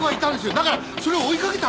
だからそれを追い掛けた。